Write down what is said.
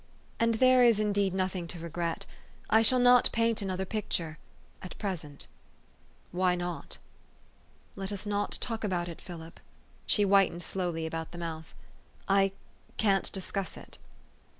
And there is indeed nothing to regret. I shall not paint another picture at present." 'Why not?" THE STORY OF AVIS. 393 " Let us not talk about it, Philip " she whitened slowly about the mouth "I can't discuss it."